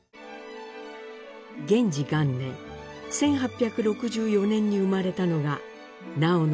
元治元年１８６４年に生まれたのが南朋の